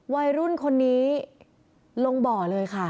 วัยรุ่นคนนี้ลงบ่อเลยค่ะ